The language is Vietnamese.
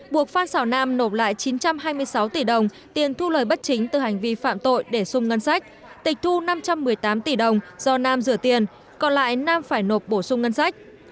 buộc phan xào nam nộp lại chín trăm hai mươi sáu tỷ đồng tiền thu lời bất chính từ hành vi phạm tội để sung ngân sách tịch thu năm trăm một mươi tám tỷ đồng do nam rửa tiền còn lại nam phải nộp bổ sung ngân sách